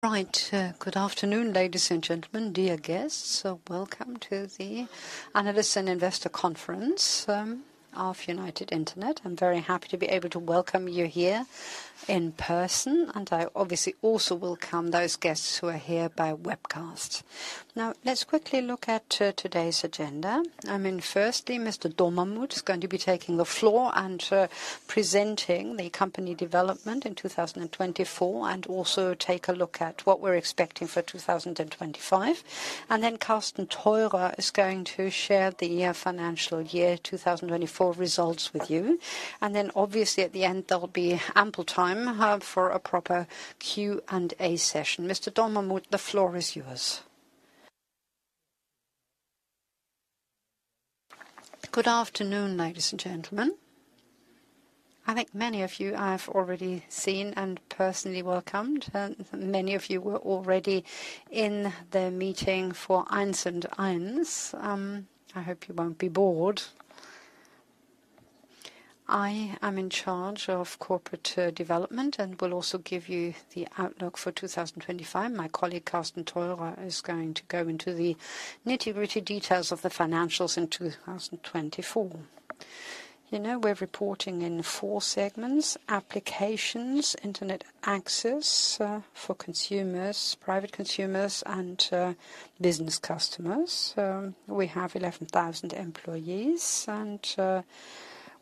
Right, good afternoon, ladies and gentlemen, dear guests. Welcome to the Analysts and Investors Conference of United Internet. I'm very happy to be able to welcome you here in person, and I obviously also welcome those guests who are here by webcast. Now, let's quickly look at today's agenda. I mean, firstly, Mr. Dommermuth is going to be taking the floor and presenting the company development in 2024, and also take a look at what we're expecting for 2025. Carsten Theurer is going to share the financial year 2024 results with you. Obviously, at the end, there'll be ample time for a proper Q&A session. Mr. Dommermuth, the floor is yours. Good afternoon, ladies and gentlemen. I think many of you I've already seen and personally welcomed. Many of you were already in the meeting for 1&1. I hope you won't be bored. I am in charge of corporate development and will also give you the outlook for 2025. My colleague Carsten Theurer is going to go into the nitty-gritty details of the financials in 2024. You know, we're reporting in four segments: applications, internet access for consumers, private consumers, and business customers. We have 11,000 employees, and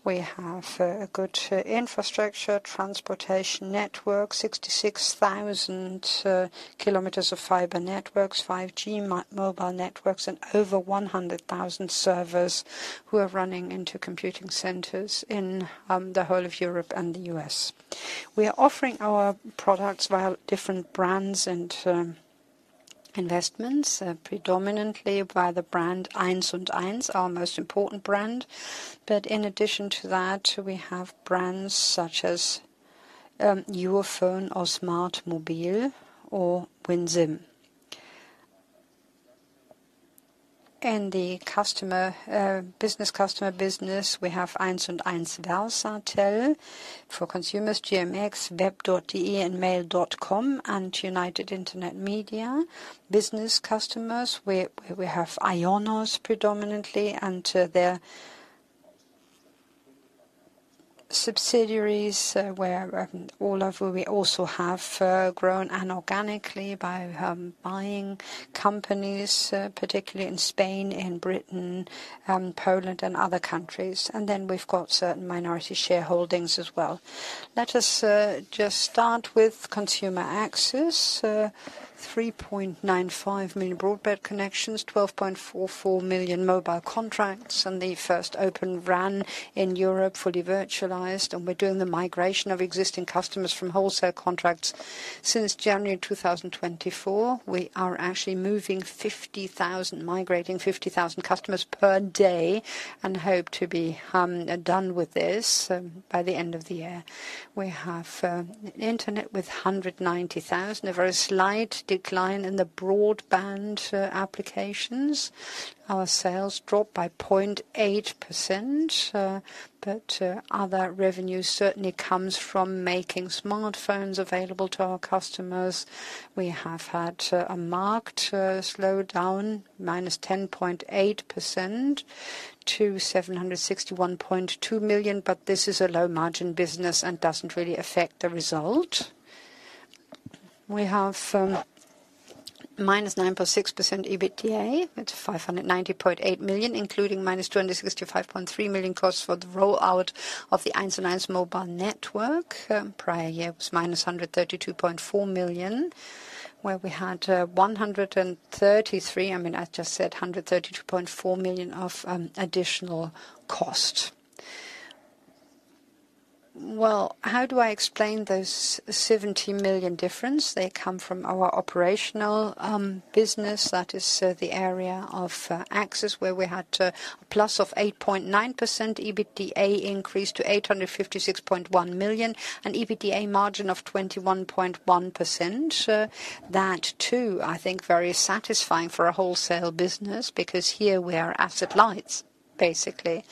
we have a good infrastructure, transportation network, 66,000 km of fiber optic networks, 5G mobile networks, and over 100,000 servers who are running into computing centers in the whole of Europe and the US. We are offering our products via different brands and investments, predominantly via the brand 1&1, our most important brand. In addition to that, we have brands such as Smartmobile or WinSIM. In the business customer business, we have 1&1 Versatel. For consumers, GMX, web.de, and mail.com, and United Internet Media business customers. We have IONOS predominantly, and their subsidiaries where all of whom we also have grown inorganically by buying companies, particularly in Spain, in Britain, Poland, and other countries. We have certain minority shareholdings as well. Let us just start with consumer access: 3.95 million broadband connections, 12.44 million mobile contracts, and the first open RAN in Europe, fully virtualized. We are doing the migration of existing customers from wholesale contracts since January 2024. We are actually moving 50,000, migrating 50,000 customers per day and hope to be done with this by the end of the year. We have internet with 190,000, a very slight decline in the broadband applications. Our sales dropped by 0.8%, but other revenue certainly comes from making smartphones available to our customers. We have had a marked slowdown, minus 10.8% to 761.2 million, but this is a low-margin business and doesn't really affect the result. We have minus 9.6% EBITDA. It's 590.8 million, including minus 265.3 million costs for the rollout of the 1&1 mobile network. Prior year was minus 132.4 million, where we had 133, I mean, I just said 132.4 million of additional cost. How do I explain this 70 million difference? They come from our operational business. That is the area of access where we had a plus of 8.9% EBITDA increase to 856.1 million and EBITDA margin of 21.1%. That too, I think, very satisfying for a wholesale business because here we are asset light, basically.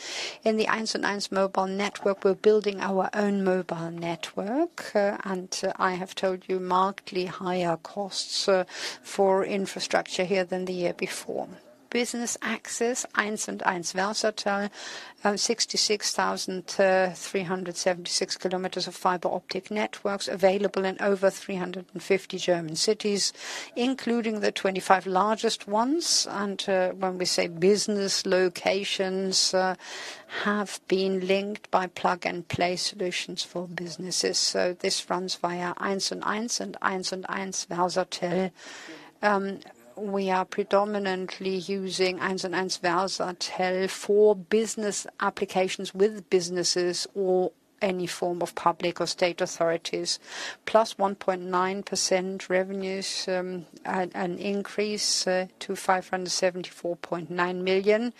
In the 1&1 mobile network, we're building our own mobile network, and I have told you markedly higher costs for infrastructure here than the year before. Business access, 1&1 Versatel, 66,376 km of fiber optic networks available in over 350 German cities, including the 25 largest ones. When we say business locations, have been linked by plug-and-play solutions for businesses. This runs via 1&1 and 1&1 Versatel. We are predominantly using 1&1 Versatel for business applications with businesses or any form of public or state authorities, plus 1.9% revenues and increase to 574.9 million.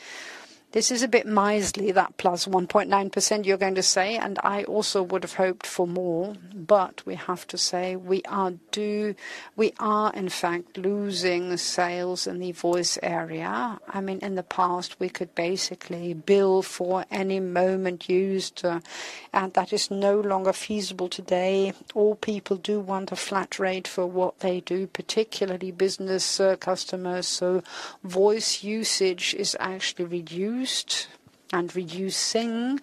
This is a bit miserly, that plus 1.9%, you're going to say, and I also would have hoped for more, but we have to say we are, in fact, losing sales in the voice area. I mean, in the past, we could basically bill for any moment used, and that is no longer feasible today. All people do want a flat rate for what they do, particularly business customers. Voice usage is actually reduced and reducing.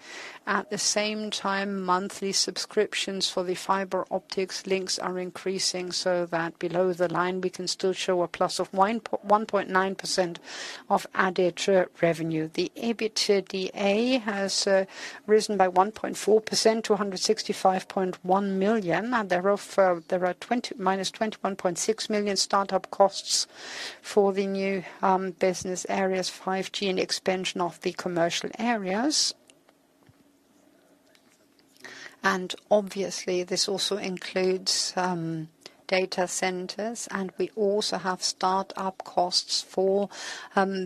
At the same time, monthly subscriptions for the fiber optic links are increasing so that below the line, we can still show a plus of 1.9% of added revenue. The EBITDA has risen by 1.4% to 165.1 million, and there are minus 21.6 million startup costs for the new business areas, 5G and expansion of the commercial areas. Obviously, this also includes data centers, and we also have startup costs for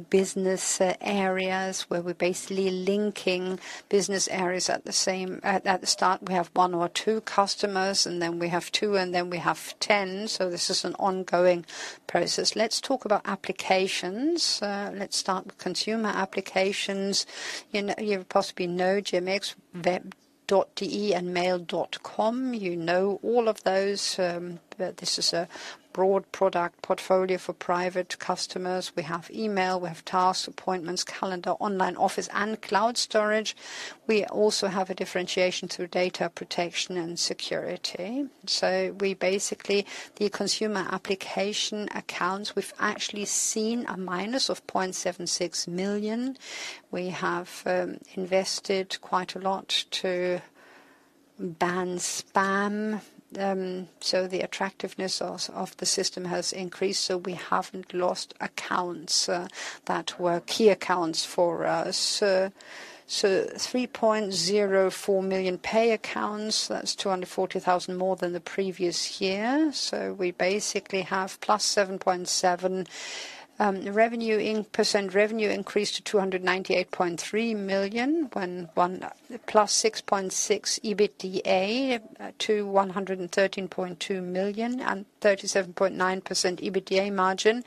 business areas where we're basically linking business areas at the same. At the start, we have one or two customers, and then we have two, and then we have ten. This is an ongoing process. Let's talk about applications. Let's start with consumer applications. You've possibly known GMX, web.de, and mail.com. You know all of those. This is a broad product portfolio for private customers. We have email, we have tasks, appointments, calendar, online office, and cloud storage. We also have a differentiation through data protection and security. Basically, the consumer application accounts, we've actually seen a minus of 0.76 million. We have invested quite a lot to ban spam, so the attractiveness of the system has increased. We haven't lost accounts that were key accounts for us. 3.04 million pay accounts, that's 240,000 more than the previous year. We have plus 7.7% revenue increase to 298.3 million, plus 6.6% EBITDA to 113.2 million, and 37.9% EBITDA margin.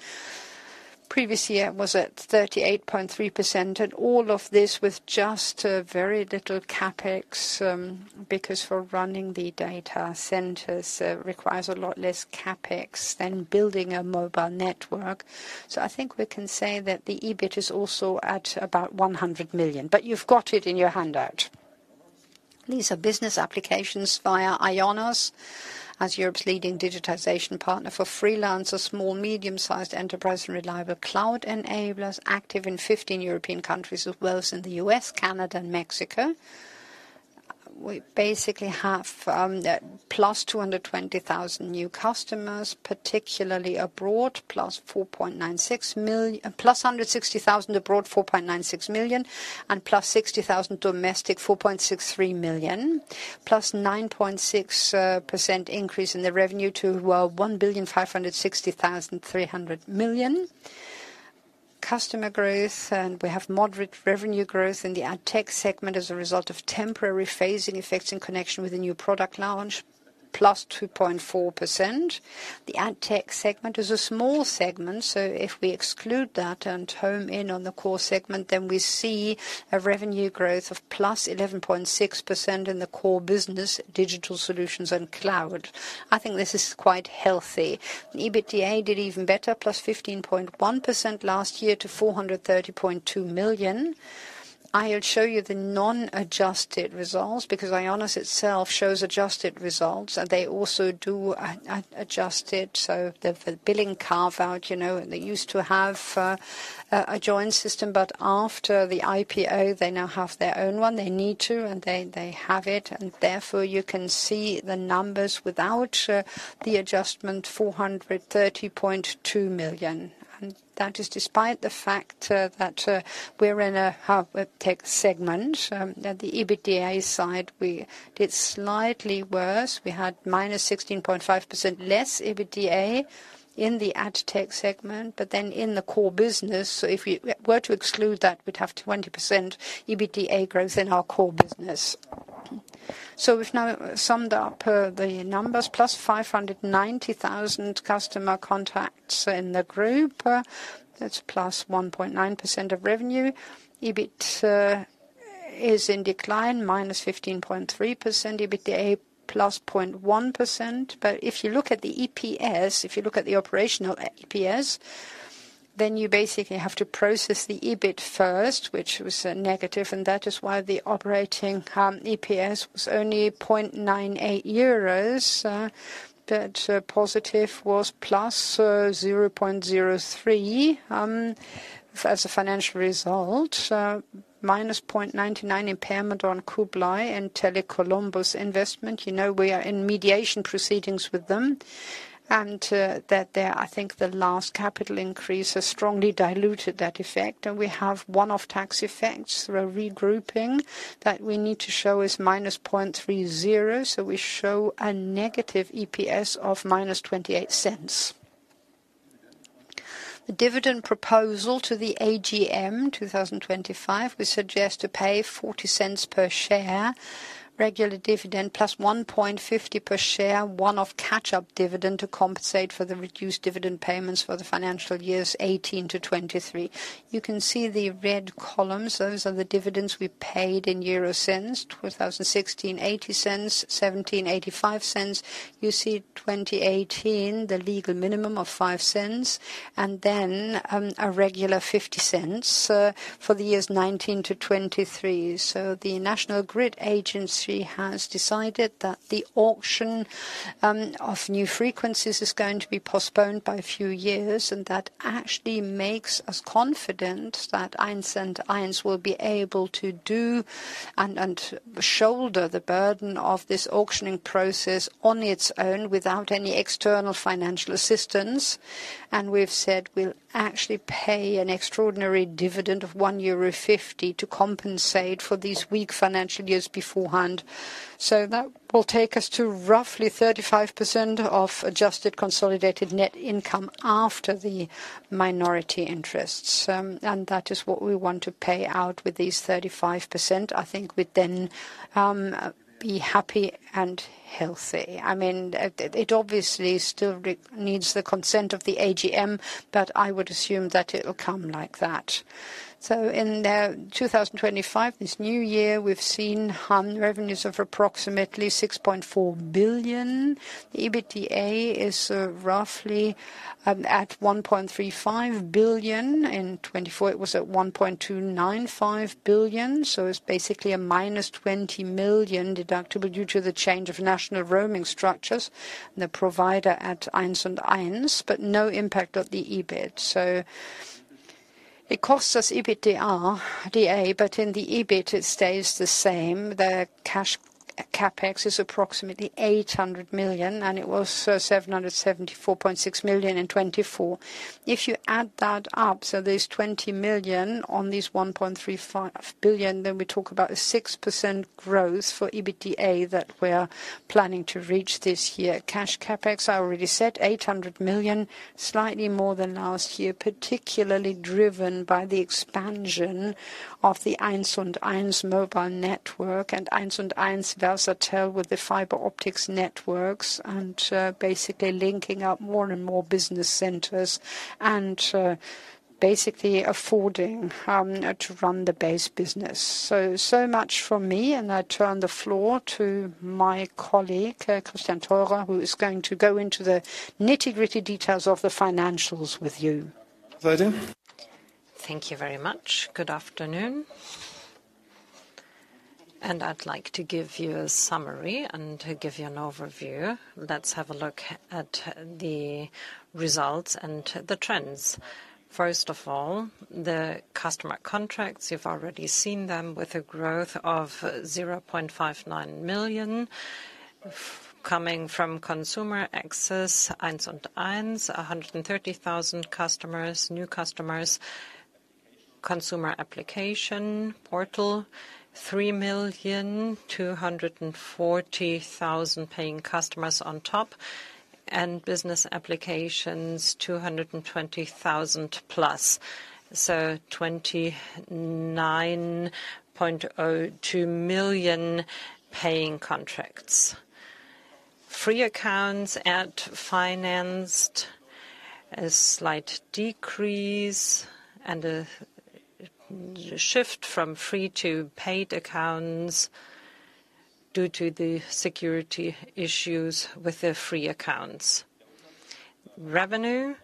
Previous year was at 38.3%, and all of this with just very little CapEx because running the data centers requires a lot less CapEx than building a mobile network. I think we can say that the EBIT is also at about 100 million, but you've got it in your handout. These are business applications via IONOS as Europe's leading digitization partner for freelancers, small, medium-sized enterprise, and reliable cloud enablers, active in 15 European countries as well as in the US, Canada, and Mexico. We basically have plus 220,000 new customers, particularly abroad, plus 160,000 abroad, 4.96 million, and plus 60,000 domestic, 4.63 million, plus 9.6% increase in the revenue to 1,560.3 million. Customer growth, and we have moderate revenue growth in the ad tech segment as a result of temporary phasing effects in connection with the new product launch, plus 2.4%. The ad tech segment is a small segment, so if we exclude that and hone in on the core segment, then we see a revenue growth of +11.6% in the core business, digital solutions, and cloud. I think this is quite healthy. EBITDA did even better, +15.1% last year to 430.2 million. I'll show you the non-adjusted results because IONOS itself shows adjusted results, and they also do adjust it. The billing carve-out, they used to have a joint system, but after the IPO, they now have their own one. They need to, and they have it. Therefore, you can see the numbers without the adjustment, 430.2 million. That is despite the fact that we're in a tech segment. At the EBITDA side, we did slightly worse. We had minus 16.5% less EBITDA in the ad tech segment, but then in the core business, if we were to exclude that, we'd have 20% EBITDA growth in our core business. We have now summed up the numbers, plus 590,000 customer contacts in the group. That's plus 1.9% of revenue. EBIT is in decline, minus 15.3%. EBITDA plus 0.1%. If you look at the EPS, if you look at the operational EPS, then you basically have to process the EBIT first, which was negative, and that is why the operating EPS was only 0.98 euros, but positive was plus 0.03 as a financial result, minus 0.99 impairment on Kublai and Tele Columbus investment. You know we are in mediation proceedings with them, and that there, I think the last capital increase has strongly diluted that effect. We have one-off tax effects through a regrouping that we need to show is minus 0.30, so we show a negative EPS of -0.28. The dividend proposal to the AGM 2025, we suggest to pay 0.40 per share, regular dividend, plus 1.50 per share, one-off catch-up dividend to compensate for the reduced dividend payments for the financial years 2018 to 2023. You can see the red columns. Those are the dividends we paid in euro cents: 2016, 80 cents; 2017, 85 cents. You see 2018, the legal minimum of 5 cents, and then a regular 50 cents for the years 2019 to 2023. The National Grid Agency has decided that the auction of new frequencies is going to be postponed by a few years, and that actually makes us confident that 1&1 will be able to do and shoulder the burden of this auctioning process on its own without any external financial assistance. We've said we'll actually pay an extraordinary dividend of 1.50 euro to compensate for these weak financial years beforehand. That will take us to roughly 35% of adjusted consolidated net income after the minority interests, and that is what we want to pay out with these 35%. I think we'd then be happy and healthy. I mean, it obviously still needs the consent of the AGM, but I would assume that it'll come like that. In 2025, this new year, we've seen revenues of approximately 6.4 billion. EBITDA is roughly at 1.35 billion. In 2024, it was at 1.295 billion, so it's basically a minus 20 million deductible due to the change of national roaming structures and the provider at 1&1, but no impact on the EBIT. It costs us EBITDA, but in the EBIT, it stays the same. The cash CapEx is approximately 800 million, and it was 774.6 million in 2024. If you add that up, so there's 20 million on these 1.35 billion, then we talk about a 6% growth for EBITDA that we're planning to reach this year. Cash CapEx, I already said, 800 million, slightly more than last year, particularly driven by the expansion of the 1&1 mobile network and 1&1 Versatel with the fiber optic networks and basically linking up more and more business centers and basically affording to run the base business. So much from me, and I turn the floor to my colleague, Carsten Theurer, who is going to go into the nitty-gritty details of the financials with you. Thank you very much. Good afternoon. I'd like to give you a summary and give you an overview. Let's have a look at the results and the trends. First of all, the customer contracts, you've already seen them with a growth of 0.59 million coming from consumer access, 1&1, 130,000 new customers, consumer application portal, 3,240,000 paying customers on top, and business applications, 220,000 plus. So 29.02 million paying contracts. Free accounts at finance is a slight decrease and a shift from free to paid accounts due to the security issues with the free accounts. Revenue,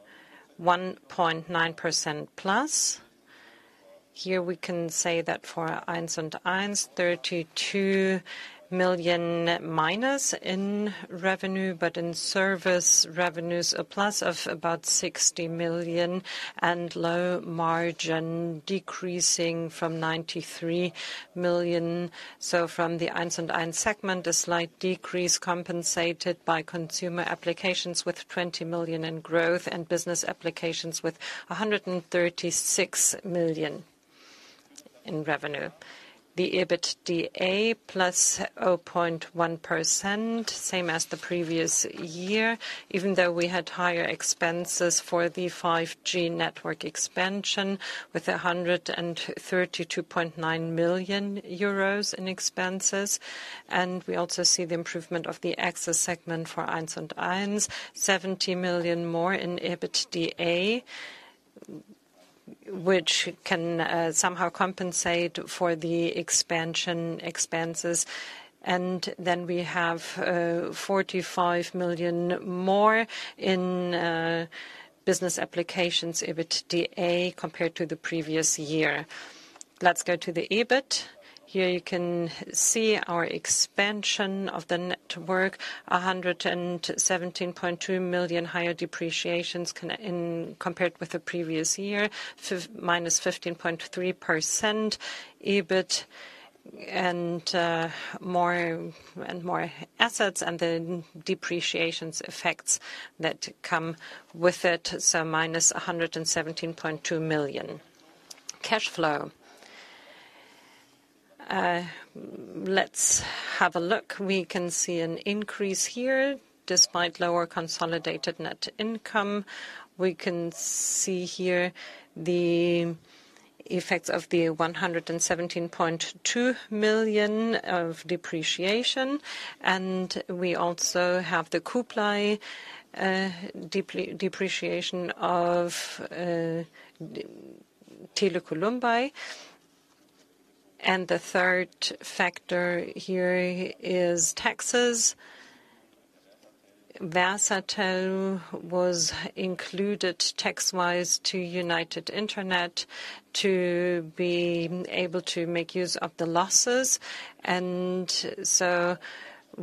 1.9% plus. Here we can say that for 1&1, 32 million minus in revenue, but in service revenues a plus of about 60 million and low margin decreasing from 93 million. From the 1&1 segment, a slight decrease compensated by consumer applications with 20 million in growth and business applications with 136 million in revenue. The EBITDA plus 0.1%, same as the previous year, even though we had higher expenses for the 5G network expansion with 132.9 million euros in expenses. We also see the improvement of the access segment for 1&1, 70 million more in EBITDA, which can somehow compensate for the expansion expenses. We have 45 million more in business applications EBITDA compared to the previous year. Let's go to the EBIT. Here you can see our expansion of the network, 117.2 million higher depreciations compared with the previous year, minus 15.3% EBIT and more assets and the depreciations effects that come with it, so minus 117.2 million. Cash flow. Let's have a look. You can see an increase here despite lower consolidated net income. You can see here the effects of the 117.2 million of depreciation, and you also have the Kublai depreciation of Tele Columbus. The third factor here is taxes. Versatel was included tax-wise to United Internet to be able to make use of the losses.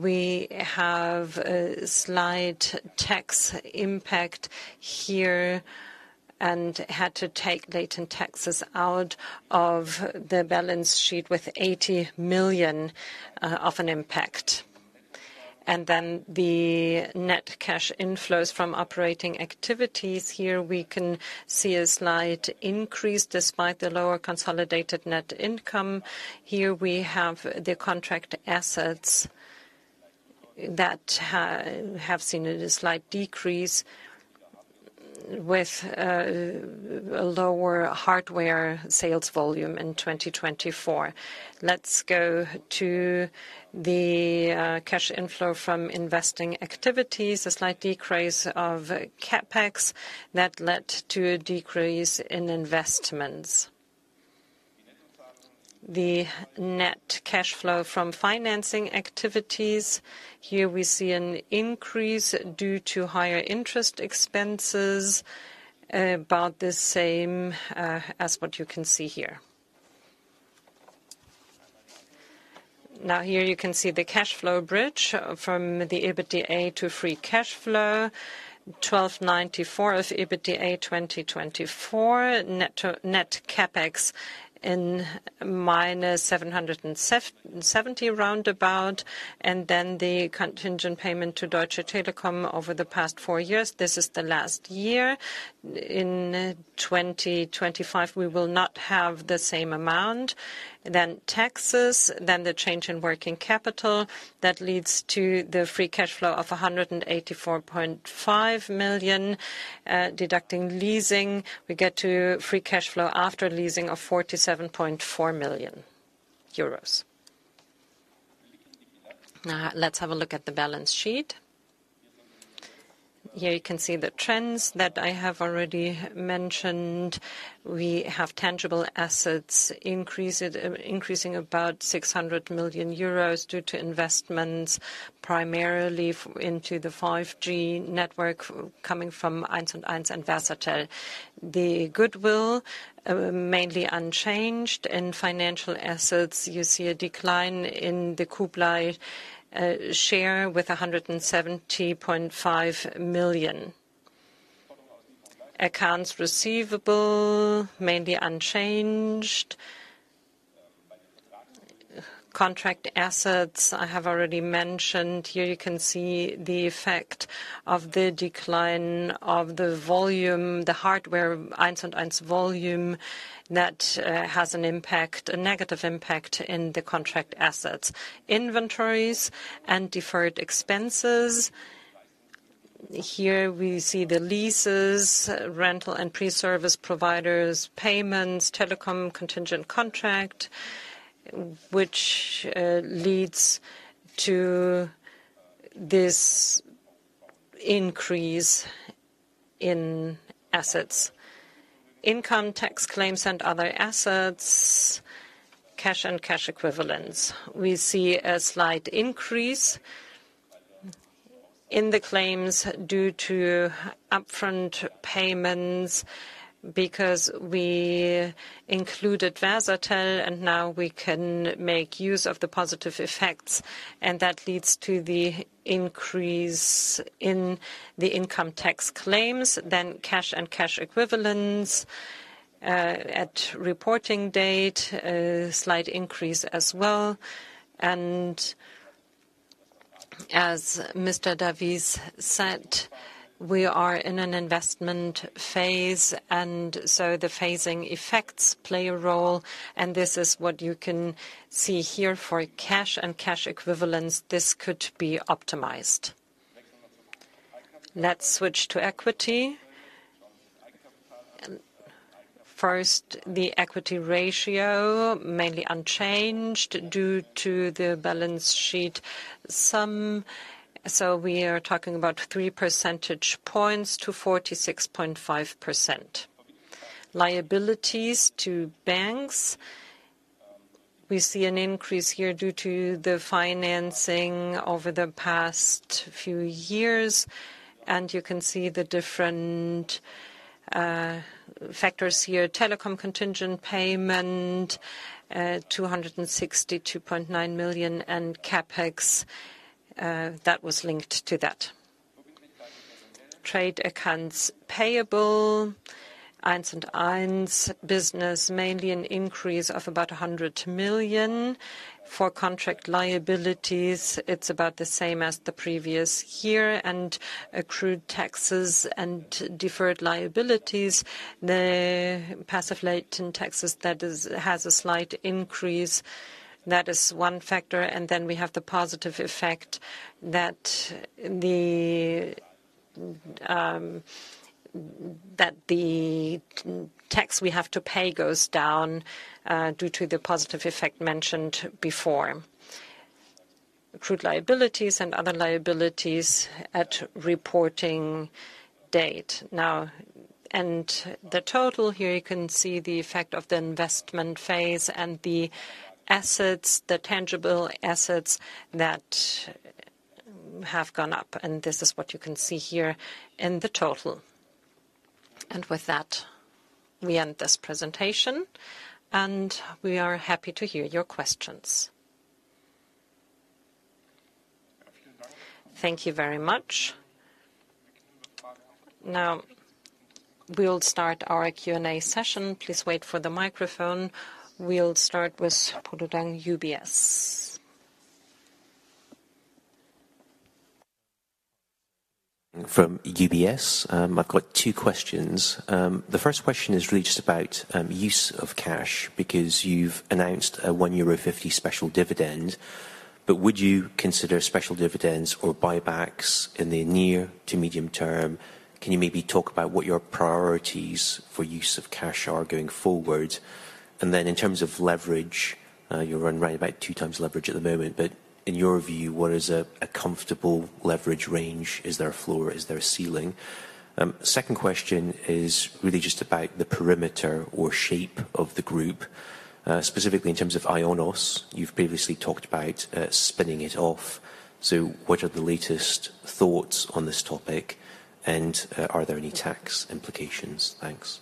You have a slight tax impact here and had to take latent taxes out of the balance sheet with 80 million of an impact. The net cash inflows from operating activities. You can see a slight increase despite the lower consolidated net income. Here we have the contract assets that have seen a slight decrease with a lower hardware sales volume in 2024. Let's go to the cash inflow from investing activities, a slight decrease of CapEx that led to a decrease in investments. The net cash flow from financing activities. Here we see an increase due to higher interest expenses, about the same as what you can see here. Now here you can see the cash flow bridge from the EBITDA to free cash flow, 1,294 million of EBITDA 2024, net CapEx in minus 770 million roundabout, and then the contingent payment to Deutsche Telekom over the past four years. This is the last year. In 2025, we will not have the same amount. Then taxes, then the change in working capital that leads to the free cash flow of 184.5 million. Deducting leasing, we get to free cash flow after leasing of 47.4 million euros. Now let's have a look at the balance sheet. Here you can see the trends that I have already mentioned. We have tangible assets increasing about 600 million euros due to investments primarily into the 5G network coming from 1&1 and Versatel. The goodwill mainly unchanged. In financial assets, you see a decline in the Kublai share with EUR 170.5 million. Accounts receivable mainly unchanged. Contract assets I have already mentioned. Here you can see the effect of the decline of the volume, the hardware 1&1 volume that has an impact, a negative impact in the contract assets. Inventories and deferred expenses. Here we see the leases, rental and pre-service providers, payments, telecom contingent contract, which leads to this increase in assets. Income, tax claims, and other assets, cash and cash equivalents. We see a slight increase in the claims due to upfront payments because we included Versatel and now we can make use of the positive effects, and that leads to the increase in the income tax claims. Cash and cash equivalents at reporting date, a slight increase as well. As Mr. Davies said, we are in an investment phase, and so the phasing effects play a role, and this is what you can see here for cash and cash equivalents. This could be optimized. Let's switch to equity. First, the equity ratio mainly unchanged due to the balance sheet sum. We are talking about 3 percentage points to 46.5%. Liabilities to banks. We see an increase here due to the financing over the past few years, and you can see the different factors here. Telekom contingent payment, 262.9 million, and CapEx that was linked to that. Trade accounts payable, 1&1's business, mainly an increase of about 100 million. For contract liabilities, it's about the same as the previous year, and accrued taxes and deferred liabilities, the passive latent taxes, that has a slight increase, that is one factor. We have the positive effect that the tax we have to pay goes down due to the positive effect mentioned before. Accrued liabilities and other liabilities at reporting date. Now, the total here, you can see the effect of the investment phase and the assets, the tangible assets that have gone up, and this is what you can see here in the total. With that, we end this presentation, and we are happy to hear your questions. Thank you very much. Now we'll start our Q&A session. Please wait for the microphone. We'll start with Polo Tang, UBS. From UBS, I've got two questions. The first question is really just about use of cash because you've announced a 1.50 euro special dividend, but would you consider special dividends or buybacks in the near to medium term? Can you maybe talk about what your priorities for use of cash are going forward? In terms of leverage, you're running right about two times leverage at the moment, but in your view, what is a comfortable leverage range? Is there a floor? Is there a ceiling? Second question is really just about the perimeter or shape of the group, specifically in terms of IONOS. You've previously talked about spinning it off. What are the latest thoughts on this topic, and are there any tax implications? Thanks.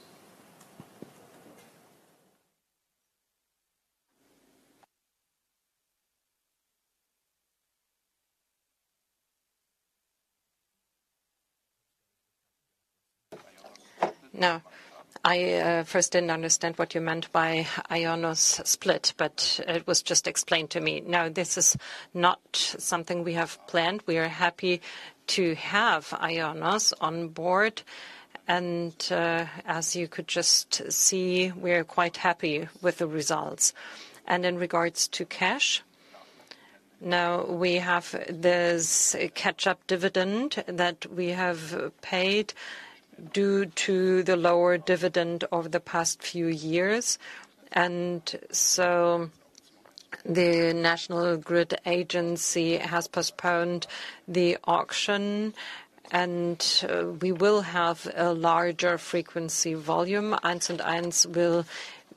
I first didn't understand what you meant by IONOS split, but it was just explained to me. Now, this is not something we have planned. We are happy to have IONOS on board, and as you could just see, we're quite happy with the results. In regards to cash, now we have this catch-up dividend that we have paid due to the lower dividend over the past few years. The National Grid Agency has postponed the auction, and we will have a larger frequency volume. 1&1 will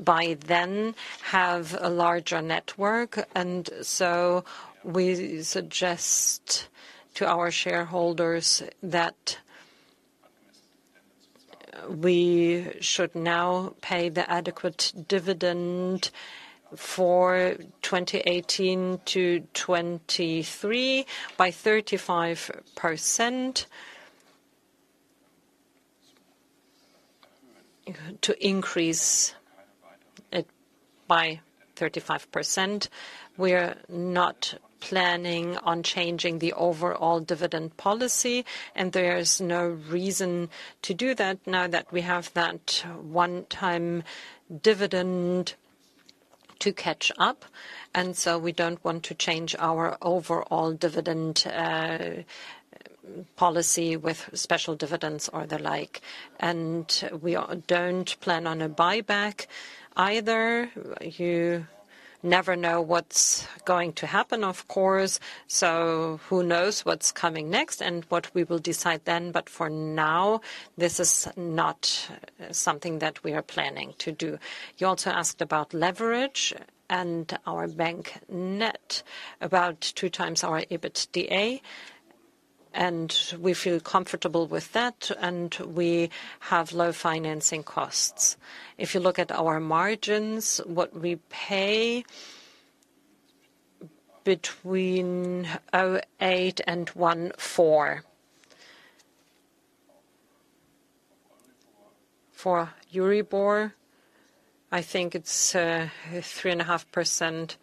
by then have a larger network, and we suggest to our shareholders that we should now pay the adequate dividend for 2018 to 2023 by 35% to increase it by 35%. We're not planning on changing the overall dividend policy, and there's no reason to do that now that we have that one-time dividend to catch up. We don't want to change our overall dividend policy with special dividends or the like. We do not plan on a buyback either. You never know what is going to happen, of course. Who knows what is coming next and what we will decide then, but for now, this is not something that we are planning to do. You also asked about leverage and our bank net, about two times our EBITDA, and we feel comfortable with that, and we have low financing costs. If you look at our margins, what we pay between 0.8% and 1.4%. For Euribor, I think it is 3.5%.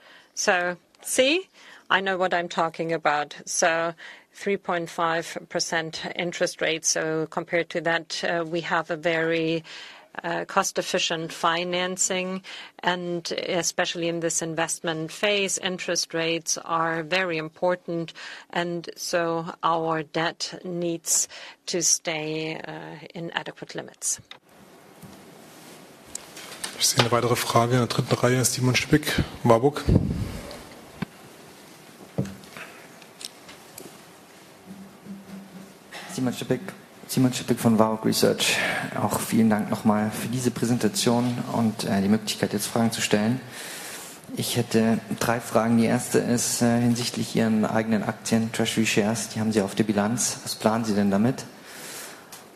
I know what I am talking about. 3.5% interest rate. Compared to that, we have a very cost-efficient financing, and especially in this investment phase, interest rates are very important, and our debt needs to stay in adequate limits. Ich sehe eine weitere Frage in der dritten Reihe. Ist Simon Stippig, Warburg? Simon Stippig von Warburg Research. Auch vielen Dank nochmal für diese Präsentation und die Möglichkeit, jetzt Fragen zu stellen. Ich hätte drei Fragen. Die erste ist hinsichtlich Ihren eigenen Aktien, Treasury Shares, die haben Sie auf der Bilanz. Was planen Sie denn damit?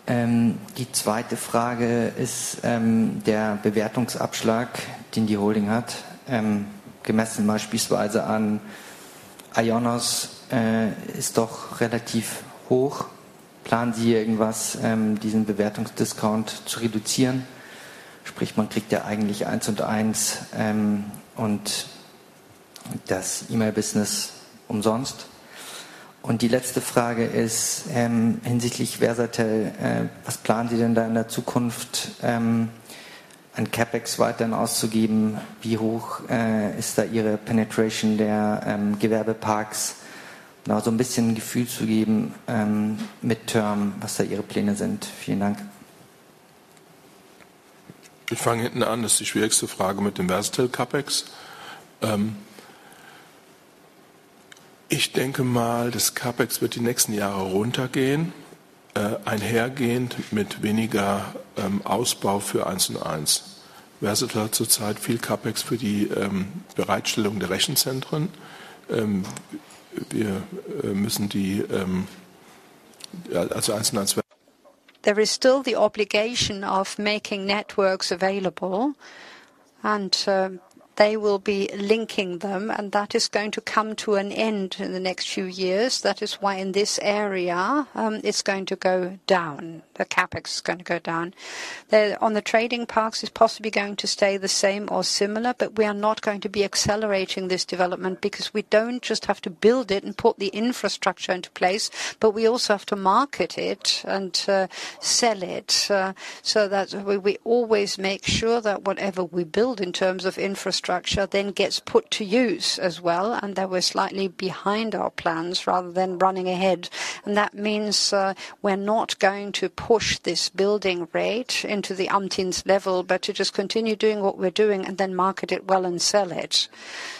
Die zweite Frage ist der Bewertungsabschlag, den die Holding hat, gemessen beispielsweise an IONOS, ist doch relativ hoch. Planen Sie irgendwas, diesen Bewertungsdiscount zu reduzieren? Sprich, man kriegt ja eigentlich 1&1 und das E-Mail-Business umsonst. Und die letzte Frage ist hinsichtlich Versatel, was planen Sie denn da in der Zukunft an CapEx weiterhin auszugeben? Wie hoch ist da Ihre Penetration der Gewerbeparks? Nur so ein bisschen ein Gefühl zu geben mit Term, was da Ihre Pläne sind. Vielen Dank. Ich fange hinten an. Das ist die schwierigste Frage mit dem Versatel CapEx. Ich denke mal, das CapEx wird die nächsten Jahre runtergehen, einhergehend mit weniger Ausbau für 1&1. lot of CapEx at the moment for providing the data centers. We have to do the 1&1. There is still the obligation of making networks available, and they will be linking them, and that is going to come to an end in the next few years. That is why in this area it is going to go down. The CapEx is going to go down. On the trading parks, it is possibly going to stay the same or similar, but we are not going to be accelerating this development because we do not just have to build it and put the infrastructure into place, but we also have to market it and sell it so that we always make sure that whatever we build in terms of infrastructure then gets put to use as well. We are slightly behind our plans rather than running ahead. That means we're not going to push this building rate into the umpteens level, but to just continue doing what we're doing and then market it well and sell it.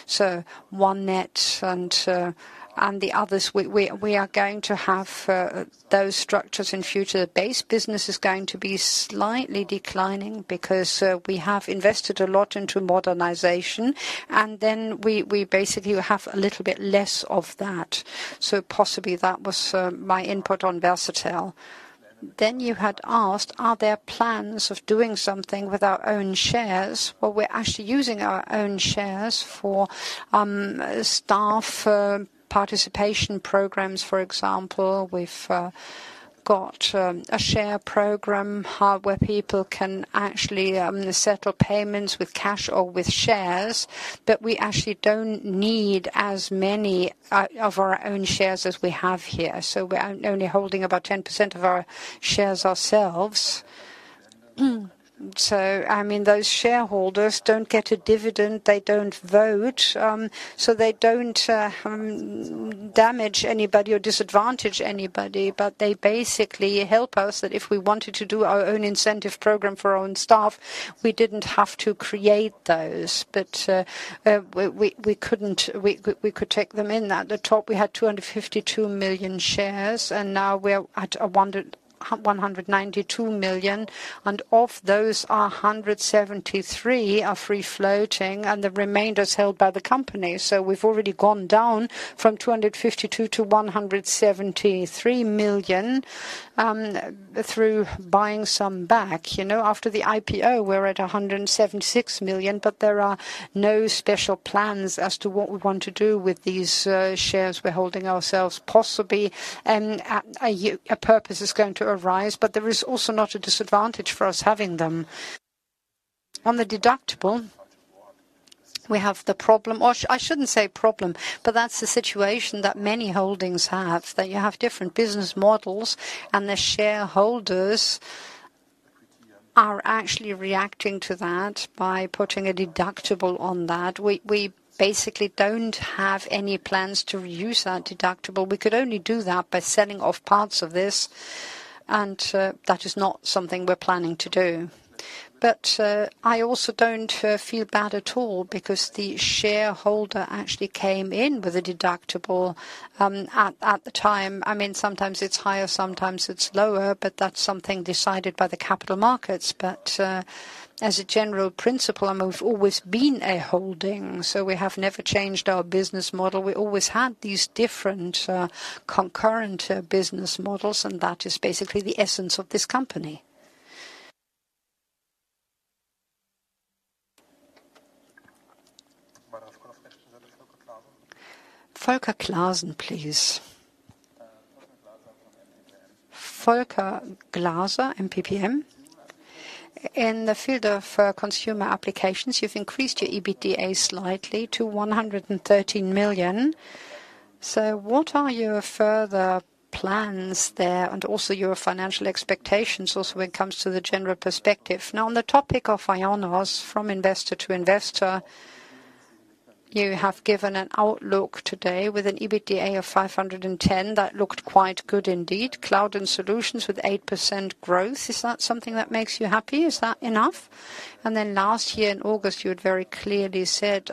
1&1 and the others, we are going to have those structures in future. The base business is going to be slightly declining because we have invested a lot into modernization, and then we basically have a little bit less of that. Possibly that was my input on Versatel. You had asked, are there plans of doing something with our own shares? We're actually using our own shares for staff participation programs, for example. We've got a share program where people can actually settle payments with cash or with shares, but we actually do not need as many of our own shares as we have here. We're only holding about 10% of our shares ourselves. I mean, those shareholders do not get a dividend. They do not vote, so they do not damage anybody or disadvantage anybody, but they basically help us that if we wanted to do our own incentive program for our own staff, we did not have to create those, but we could take them in. At the top, we had 252 million shares, and now we are at 192 million, and of those, 173 million are free-floating, and the remainder is held by the company. We have already gone down from 252 million to 173 million through buying some back. After the IPO, we are at 176 million, but there are no special plans as to what we want to do with these shares we are holding ourselves. Possibly a purpose is going to arise, but there is also not a disadvantage for us having them. On the deductible, we have the problem, or I shouldn't say problem, but that's the situation that many holdings have, that you have different business models, and the shareholders are actually reacting to that by putting a deductible on that. We basically don't have any plans to use that deductible. We could only do that by selling off parts of this, and that is not something we're planning to do. I also don't feel bad at all because the shareholder actually came in with a deductible at the time. I mean, sometimes it's higher, sometimes it's lower, but that's something decided by the capital markets. As a general principle, we've always been a holding, so we have never changed our business model. We always had these different concurrent business models, and that is basically the essence of this company. Volker Glaser, please. Volker Glaser, MPPM. In the field of consumer applications, you've increased your EBITDA slightly to 113 million. What are your further plans there, and also your financial expectations also when it comes to the general perspective? Now, on the topic of IONOS, from investor to investor, you have given an outlook today with an EBITDA of 510 million. That looked quite good indeed. Cloud and Solutions with 8% growth. Is that something that makes you happy? Is that enough? Last year in August, you had very clearly said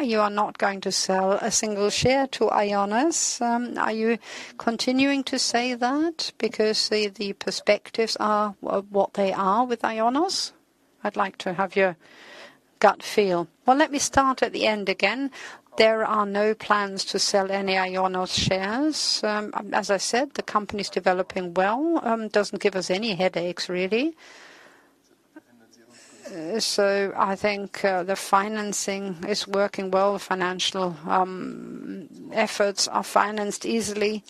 you are not going to sell a single share to IONOS. Are you continuing to say that because the perspectives are what they are with IONOS? I'd like to have your gut feel. Let me start at the end again. There are no plans to sell any IONOS shares. As I said, the company's developing well. It does not give us any headaches, really. I think the financing is working well. Financial efforts are financed easily.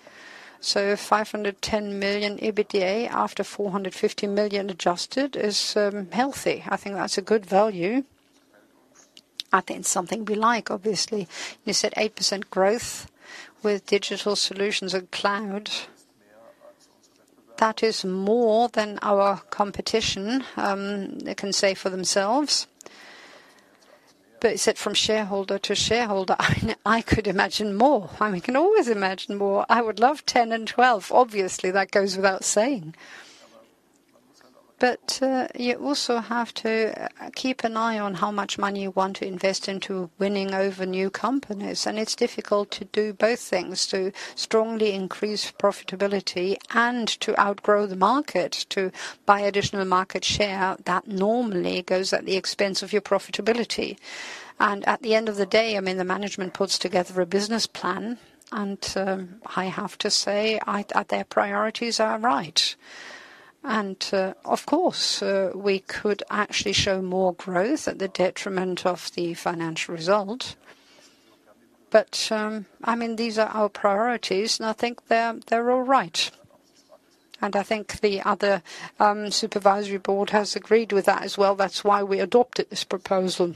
510 million EBITDA after 450 million adjusted is healthy. I think that is a good value. I think it is something we like, obviously. You said 8% growth with digital solutions and cloud. That is more than our competition can say for themselves. You said from shareholder to shareholder, I could imagine more. I mean, we can always imagine more. I would love 10 and 12. Obviously, that goes without saying. You also have to keep an eye on how much money you want to invest into winning over new companies. It is difficult to do both things: to strongly increase profitability and to outgrow the market, to buy additional market share that normally goes at the expense of your profitability. At the end of the day, I mean, the management puts together a business plan, and I have to say that their priorities are right. Of course, we could actually show more growth at the detriment of the financial result. I mean, these are our priorities, and I think they're all right. I think the other supervisory board has agreed with that as well. That is why we adopted this proposal.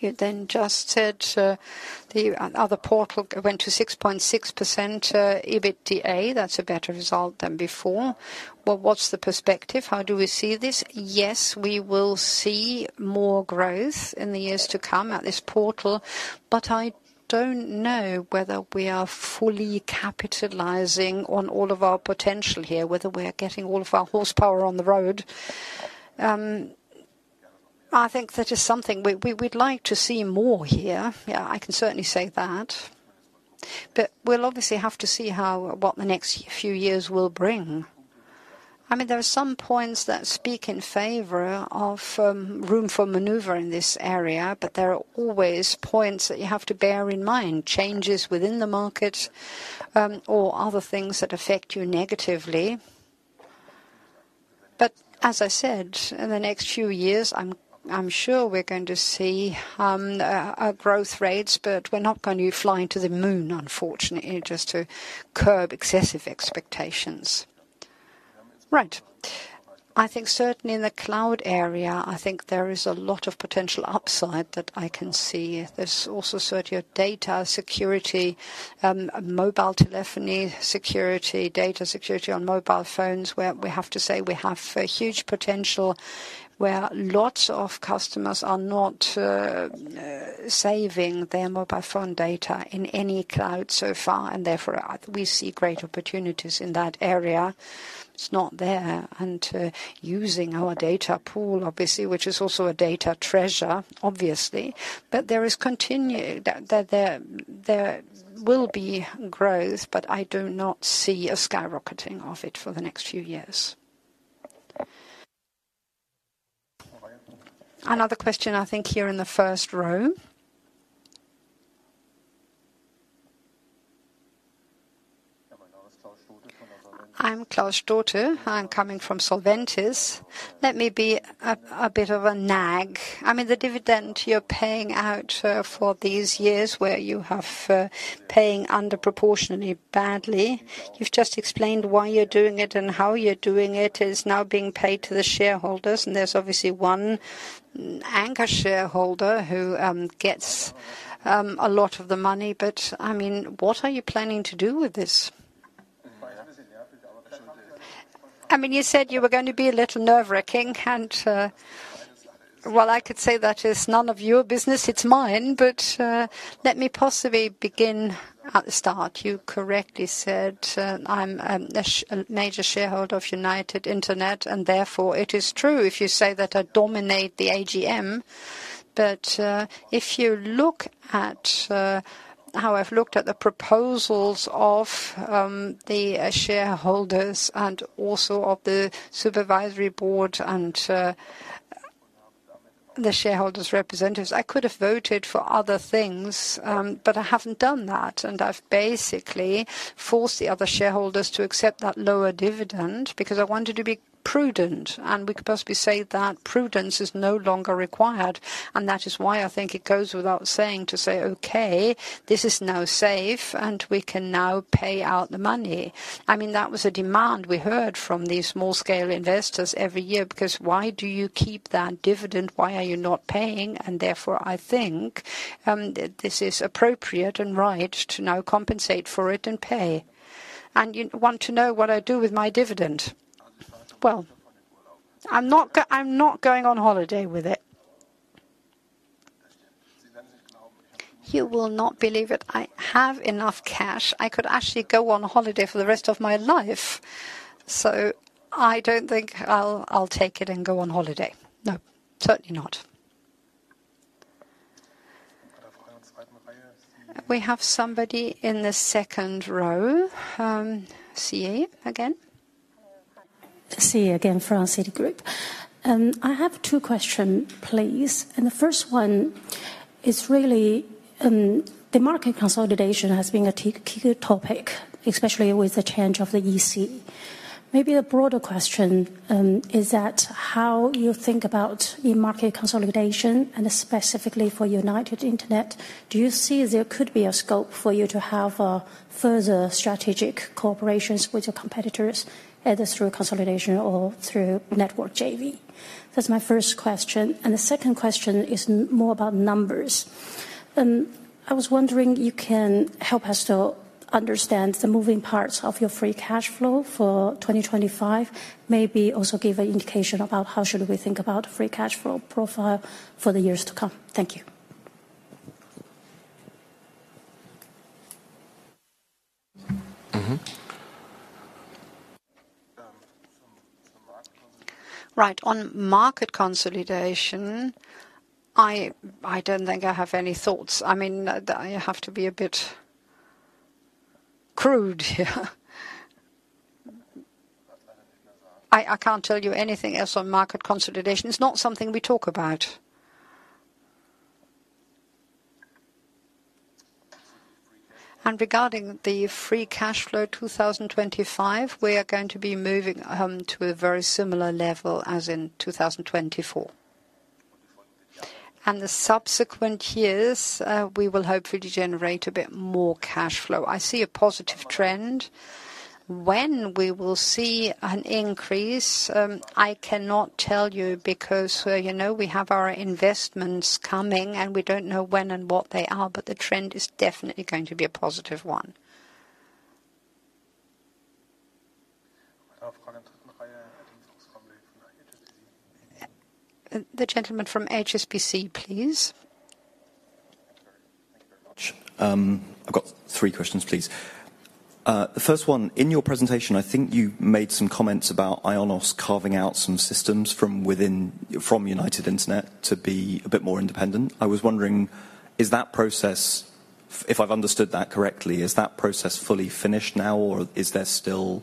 You then just said the other portal went to 6.6% EBITDA. That is a better result than before. What is the perspective? How do we see this? Yes, we will see more growth in the years to come at this portal, but I do not know whether we are fully capitalizing on all of our potential here, whether we are getting all of our horsepower on the road. I think that is something we would like to see more here. Yeah, I can certainly say that. We will obviously have to see what the next few years will bring. I mean, there are some points that speak in favor of room for maneuver in this area, but there are always points that you have to bear in mind: changes within the market or other things that affect you negatively. As I said, in the next few years, I am sure we are going to see growth rates, but we are not going to fly into the moon, unfortunately, just to curb excessive expectations. Right. I think certainly in the cloud area, I think there is a lot of potential upside that I can see. There's also certainly data security, mobile telephony security, data security on mobile phones, where we have to say we have huge potential, where lots of customers are not saving their mobile phone data in any cloud so far, and therefore we see great opportunities in that area. It's not there. Using our data pool, obviously, which is also a data treasure, obviously, but there is continued that there will be growth, but I do not see a skyrocketing of it for the next few years. Another question, I think, here in the first row. I'm Klaus Stötter. I'm coming from Solventis. Let me be a bit of a nag. I mean, the dividend you're paying out for these years where you have been paying underproportionately badly, you've just explained why you're doing it and how you're doing it. It is now being paid to the shareholders, and there's obviously one anchor shareholder who gets a lot of the money. I mean, what are you planning to do with this? I mean, you said you were going to be a little nerve-wracking, and I could say that it's none of your business, it's mine, but let me possibly begin at the start. You correctly said I'm a major shareholder of United Internet, and therefore it is true if you say that I dominate the AGM. If you look at how I've looked at the proposals of the shareholders and also of the supervisory board and the shareholders' representatives, I could have voted for other things, but I haven't done that, and I've basically forced the other shareholders to accept that lower dividend because I wanted to be prudent, and we could possibly say that prudence is no longer required. That is why I think it goes without saying to say, "Okay, this is now safe, and we can now pay out the money." I mean, that was a demand we heard from these small-scale investors every year because why do you keep that dividend? Why are you not paying? Therefore, I think this is appropriate and right to now compensate for it and pay. You want to know what I do with my dividend? I'm not going on holiday with it. You will not believe it. I have enough cash. I could actually go on holiday for the rest of my life. I do not think I'll take it and go on holiday. No, certainly not. We have somebody in the second row. CA again. CA again, France City Group. I have two questions, please. The first one is really the market consolidation has been a key topic, especially with the change of the EC. Maybe the broader question is how you think about the market consolidation, and specifically for United Internet. Do you see there could be a scope for you to have further strategic cooperations with your competitors, either through consolidation or through network JV? That's my first question. The second question is more about numbers. I was wondering if you can help us to understand the moving parts of your free cash flow for 2025, maybe also give an indication about how should we think about the free cash flow profile for the years to come. Thank you. Right. On market consolidation, I do not think I have any thoughts. I mean, I have to be a bit crude here. I cannot tell you anything else on market consolidation. It is not something we talk about. Regarding the free cash flow 2025, we are going to be moving to a very similar level as in 2024. The subsequent years, we will hopefully generate a bit more cash flow. I see a positive trend. When we will see an increase, I cannot tell you because we have our investments coming, and we do not know when and what they are, but the trend is definitely going to be a positive one. The gentleman from HSBC, please. I have got three questions, please. The first one, in your presentation, I think you made some comments about IONOS carving out some systems from United Internet to be a bit more independent. I was wondering, is that process, if I have understood that correctly, is that process fully finished now, or is there still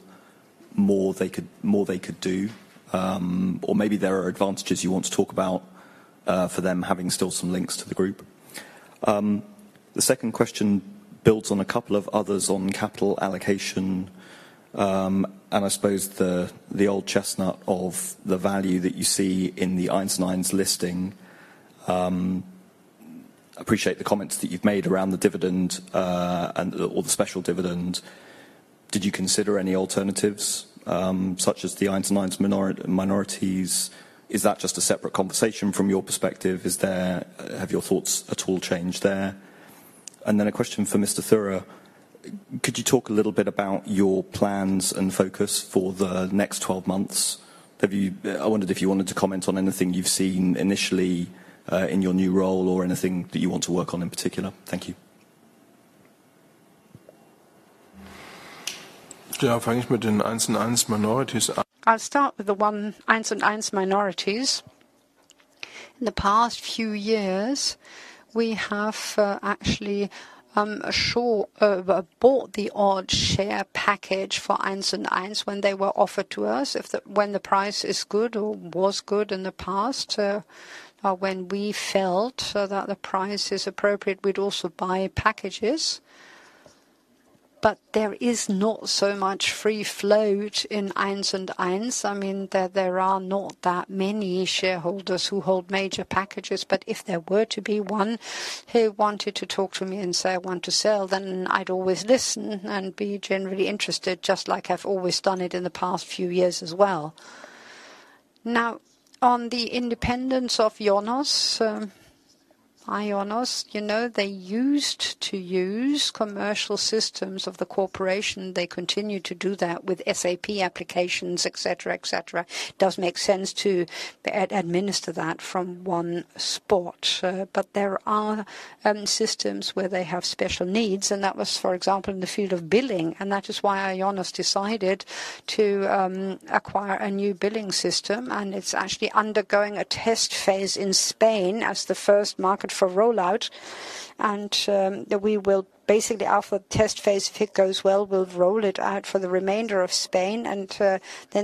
more they could do? Or maybe there are advantages you want to talk about for them having still some links to the group? The second question builds on a couple of others on capital allocation, and I suppose the old chestnut of the value that you see in the IONOS listing. I appreciate the comments that you've made around the dividend or the special dividend. Did you consider any alternatives such as the 1&1 minorities? Is that just a separate conversation from your perspective? Have your thoughts at all changed there? A question for Mr. Theurer. Could you talk a little bit about your plans and focus for the next 12 months? I wondered if you wanted to comment on anything you've seen initially in your new role or anything that you want to work on in particular. Thank you. Ja, fange ich mit den 1&1 minorities. I'll start with the 1&1 minorities. In the past few years, we have actually bought the odd share package for 1&1 when they were offered to us. When the price is good or was good in the past, when we felt that the price is appropriate, we'd also buy packages. There is not so much free float in 1&1. I mean, there are not that many shareholders who hold major packages, but if there were to be one who wanted to talk to me and say, "I want to sell," then I'd always listen and be generally interested, just like I've always done it in the past few years as well. Now, on the independence of IONOS, they used to use commercial systems of the corporation. They continue to do that with SAP applications, etc., etc. It does make sense to administer that from one spot. There are systems where they have special needs, and that was, for example, in the field of billing. That is why IONOS decided to acquire a new billing system, and it's actually undergoing a test phase in Spain as the first market for rollout. We will basically, after the test phase, if it goes well, roll it out for the remainder of Spain.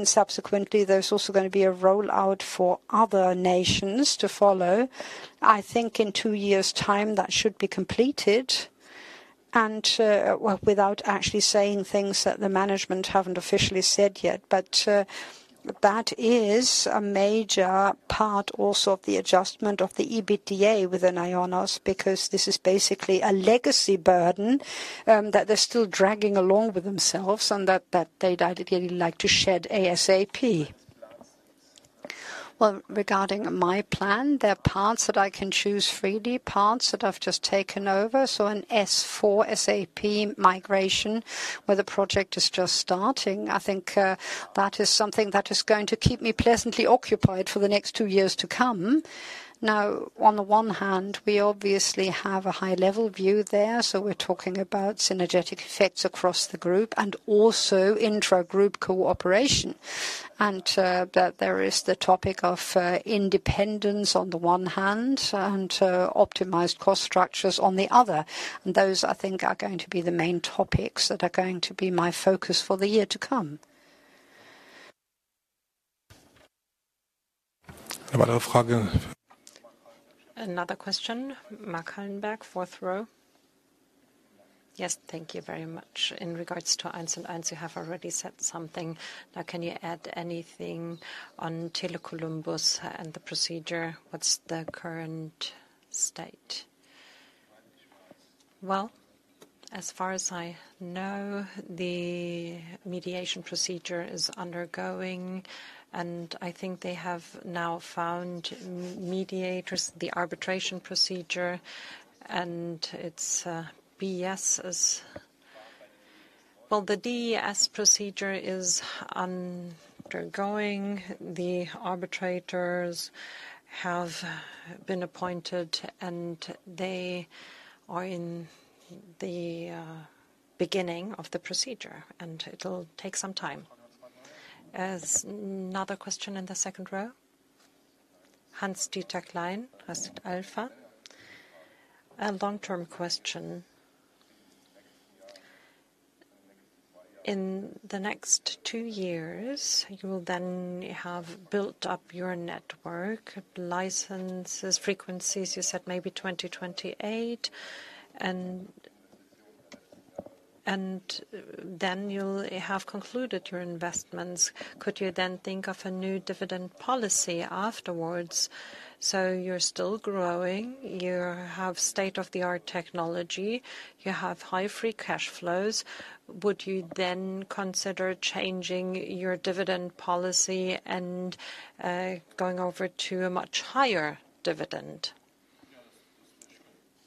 Subsequently, there is also going to be a rollout for other nations to follow. I think in two years' time, that should be completed. Without actually saying things that the management have not officially said yet, that is a major part also of the adjustment of the EBITDA within IONOS because this is basically a legacy burden that they are still dragging along with themselves and that they would ideally like to shed ASAP. Regarding my plan, there are parts that I can choose freely, parts that I have just taken over. An S4 SAP migration where the project is just starting, I think that is something that is going to keep me pleasantly occupied for the next two years to come. Now, on the one hand, we obviously have a high-level view there, so we're talking about synergetic effects across the group and also intra-group cooperation. There is the topic of independence on the one hand and optimized cost structures on the other. Those, I think, are going to be the main topics that are going to be my focus for the year to come. Noch mal eine Frage. Another question. Mark Hallenberg, fourth row. Yes, thank you very much. In regards to 1&1, you have already said something. Now, can you add anything on Tele Columbus and the procedure? What's the current state? As far as I know, the mediation procedure is undergoing, and I think they have now found mediators, the arbitration procedure, and its BS is. The DS procedure is undergoing. The arbitrators have been appointed, and they are in the beginning of the procedure, and it'll take some time. Another question in the second row. Hans-Dieter Klein, Hastet Alpha. A long-term question. In the next two years, you will then have built up your network, licenses, frequencies, you said maybe 2028, and then you'll have concluded your investments. Could you then think of a new dividend policy afterwards? You are still growing, you have state-of-the-art technology, you have high free cash flows. Would you then consider changing your dividend policy and going over to a much higher dividend?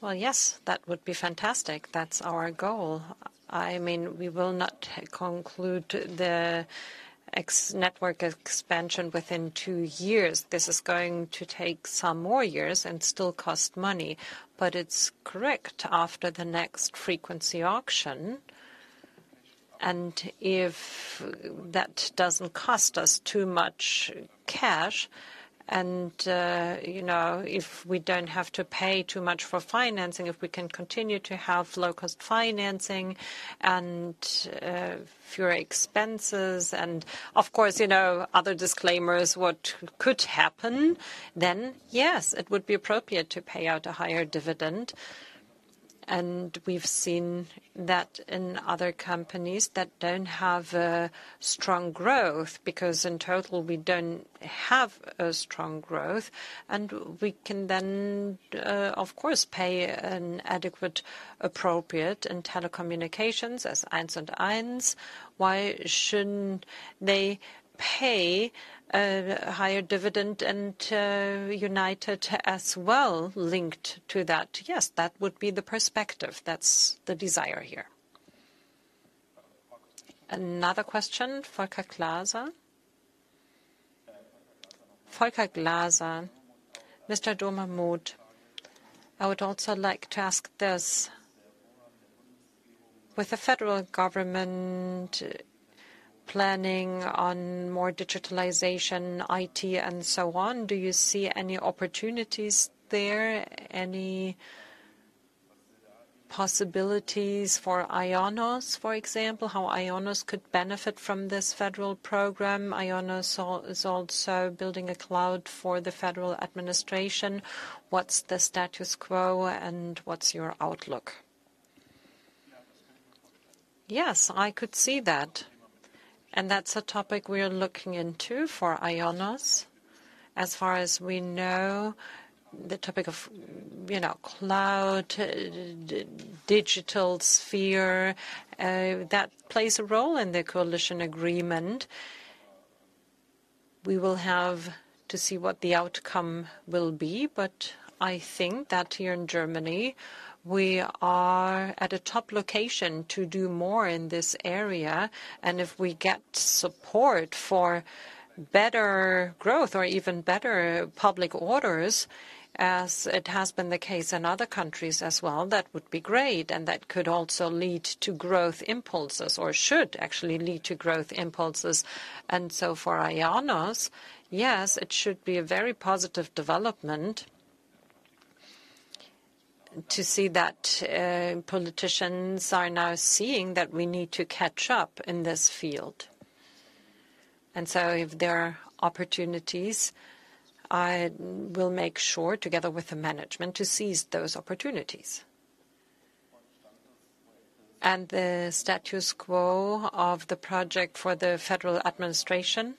Yes, that would be fantastic. That is our goal. I mean, we will not conclude the network expansion within two years. This is going to take some more years and still cost money, but it is correct after the next frequency auction. If that does not cost us too much cash, and if we do not have to pay too much for financing, if we can continue to have low-cost financing and fewer expenses, and of course, other disclaimers, what could happen, then yes, it would be appropriate to pay out a higher dividend. We have seen that in other companies that do not have strong growth because in total we do not have strong growth. We can then, of course, pay an adequate, appropriate in telecommunications as 1&1. Why should they not pay a higher dividend and United as well linked to that? Yes, that would be the perspective. That is the desire here. Another question for Kacklasa. Mr. Dommermuth, I would also like to ask this. With the federal government planning on more digitalization, IT, and so on, do you see any opportunities there? Any possibilities for IONOS, for example, how IONOS could benefit from this federal program? IONOS is also building a cloud for the federal administration. What's the status quo and what's your outlook? Yes, I could see that. That's a topic we are looking into for IONOS. As far as we know, the topic of cloud, digital sphere, that plays a role in the coalition agreement. We will have to see what the outcome will be. I think that here in Germany, we are at a top location to do more in this area. If we get support for better growth or even better public orders, as it has been the case in other countries as well, that would be great. That could also lead to growth impulses or should actually lead to growth impulses. For IONOS, yes, it should be a very positive development to see that politicians are now seeing that we need to catch up in this field. If there are opportunities, I will make sure, together with the management, to seize those opportunities. The status quo of the project for the federal administration,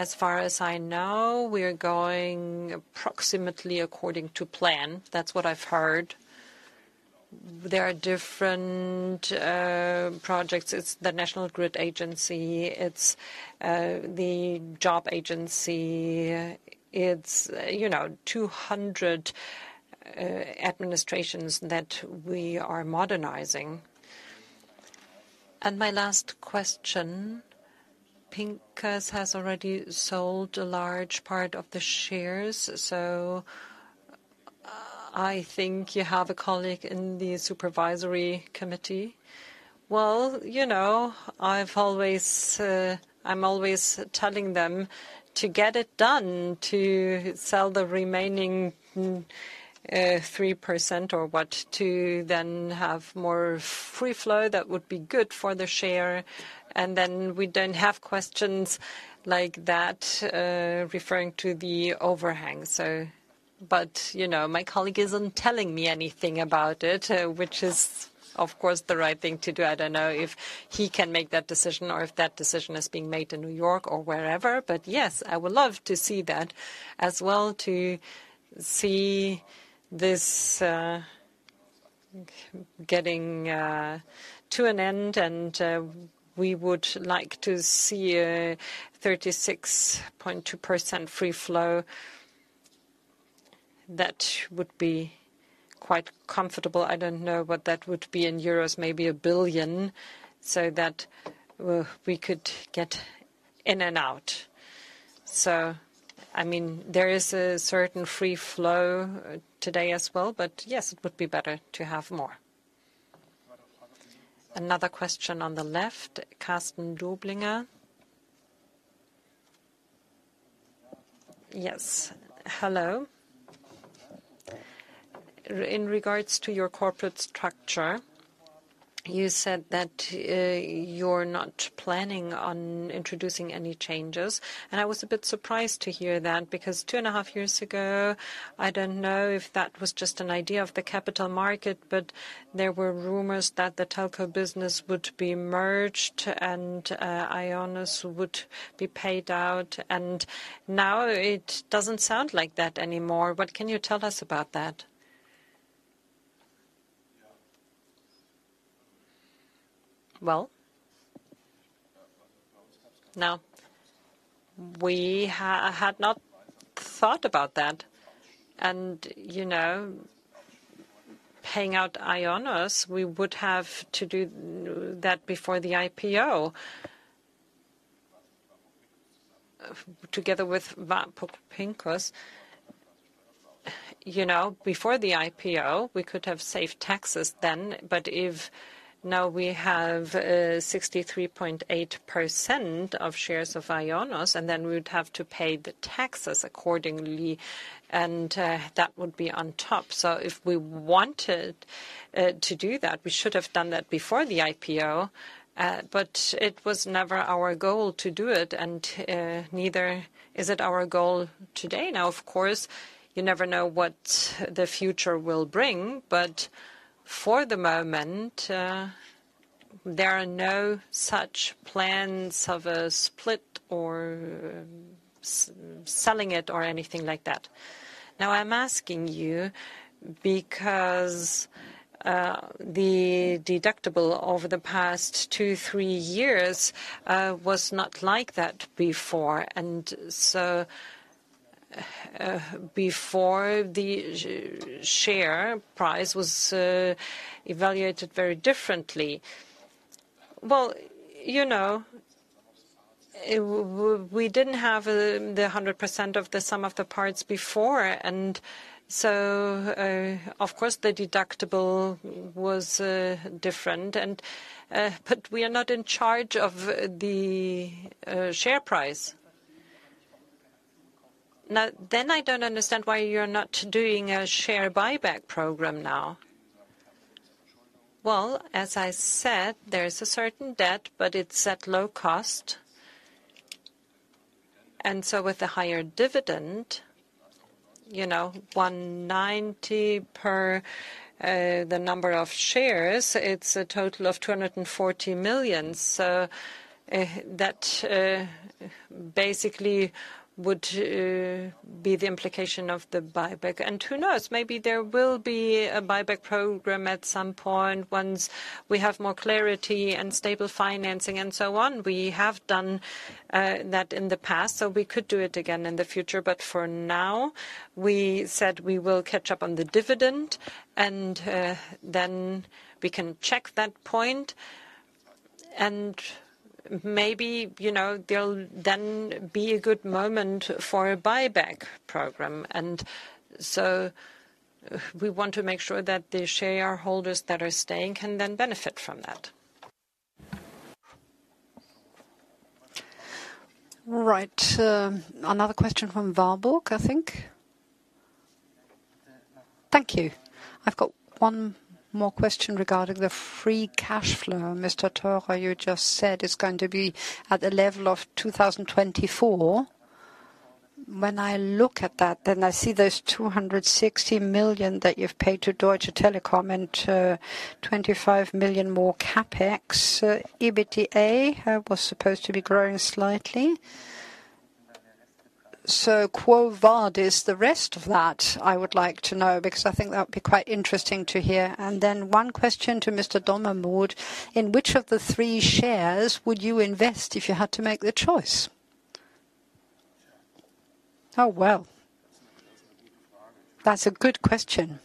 as far as I know, we're going approximately according to plan. That's what I've heard. There are different projects. It's the National Grid Agency. It's the Job Agency. It's 200 administrations that we are modernizing. My last question. Pinkers has already sold a large part of the shares, so I think you have a colleague in the supervisory committee. I'm always telling them to get it done, to sell the remaining 3% or what, to then have more free flow that would be good for the share. We do not have questions like that referring to the overhang. My colleague is not telling me anything about it, which is, of course, the right thing to do. I do not know if he can make that decision or if that decision is being made in New York or wherever. Yes, I would love to see that as well, to see this getting to an end. We would like to see a 36.2% free float. That would be quite comfortable. I do not know what that would be in EUR, maybe a billion, so that we could get in and out. There is a certain free float today as well, but it would be better to have more. Another question on the left, Carsten Doblinger. Yes. Hello. In regards to your corporate structure, you said that you are not planning on introducing any changes. I was a bit surprised to hear that because two and a half years ago, I do not know if that was just an idea of the capital market, but there were rumors that the telco business would be merged and IONOS would be paid out. Now it does not sound like that anymore. What can you tell us about that? We had not thought about that. Paying out IONOS, we would have to do that before the IPO, together with Pinkers. Before the IPO, we could have saved taxes then, but if now we have 63.8% of shares of IONOS, then we would have to pay the taxes accordingly, and that would be on top. If we wanted to do that, we should have done that before the IPO, but it was never our goal to do it, and neither is it our goal today. Of course, you never know what the future will bring, but for the moment, there are no such plans of a split or selling it or anything like that. I'm asking you because the deductible over the past two, three years was not like that before, and before the share price was evaluated very differently. We did not have the 100% of the sum of the parts before, and so, of course, the deductible was different. We are not in charge of the share price. I do not understand why you are not doing a share buyback program now. As I said, there is a certain debt, but it is at low cost. With the higher dividend, 1.90 per the number of shares, it is a total of 240 million. That basically would be the implication of the buyback. Who knows, maybe there will be a buyback program at some point once we have more clarity and stable financing and so on. We have done that in the past, so we could do it again in the future, but for now, we said we will catch up on the dividend, and then we can check that point. Maybe there will then be a good moment for a buyback program. We want to make sure that the shareholders that are staying can then benefit from that. Right. Another question from Warburg, I think. Thank you. I have got one more question regarding the free cash flow. Mr. Theurer, you just said it is going to be at the level of 2024. When I look at that, then I see those 260 million that you've paid to Deutsche Telekom and 25 million more CapEx. EBITDA was supposed to be growing slightly. Quo vadis the rest of that? I would like to know because I think that would be quite interesting to hear. One question to Mr. Dommermuth. In which of the three shares would you invest if you had to make the choice? Oh, well. That's a good question.